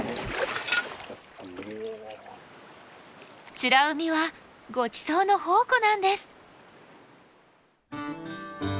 美ら海はごちそうの宝庫なんです。